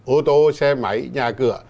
ô tô xe máy nhà cửa